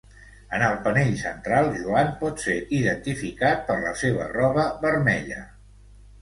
En el panell central Joan pot ser identificat per la seva roba vermella.